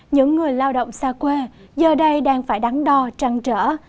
những người lao động xa quê giờ đây đang phải đắn đo trăng trở